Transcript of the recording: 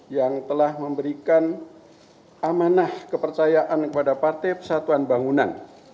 yang telah memberikan amanah kepercayaan kepada partai persatuan bangunan